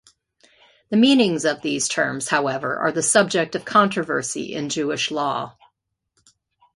The meanings of these terms, however, are the subject of controversy in Jewish law.